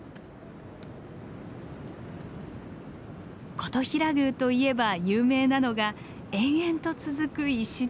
金刀比羅宮といえば有名なのが延々と続く石段。